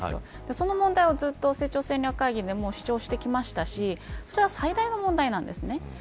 その問題をずっと成長戦略会議で主張してきましたしそれは最大の問題なんですね。